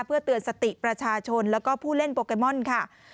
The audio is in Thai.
เพื่อเตือนสติประชาชนแล้วก็ผู้เล่นโปเกมอนค่ะ